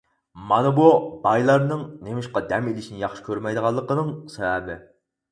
مانا بۇ، بايلارنىڭ نېمىشقا دەم ئېلىشنى ياخشى كۆرمەيدىغانلىقىنىڭ سەۋەبى.